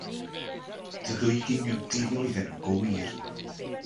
Dy ddwy geiniog di oedden nhw go wir.